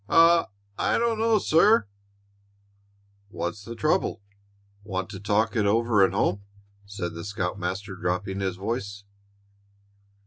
"I don't know, sir." "What's the trouble? Want to talk it over at home?" said the scoutmaster, dropping his voice.